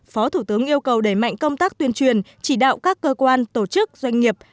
phó thủ tướng yêu cầu đẩy mạnh công tác tuyên truyền chỉ đạo các cơ quan tổ chức doanh nghiệp